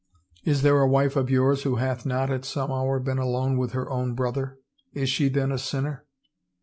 Is there a wife of yours who hath not at some hour been alone with her own brother? Is she then a sinner?